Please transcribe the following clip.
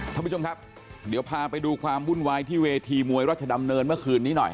ท่านผู้ชมครับเดี๋ยวพาไปดูความวุ่นวายที่เวทีมวยราชดำเนินเมื่อคืนนี้หน่อย